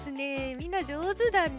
みんなじょうずだね。